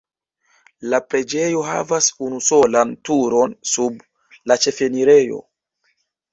La preĝejo havas unusolan turon sub la ĉefenirejo.